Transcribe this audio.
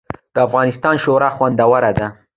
د افغانستان شوروا خوندوره ده